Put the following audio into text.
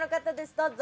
どうぞ。